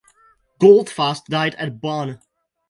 Goldfuss died at Bonn.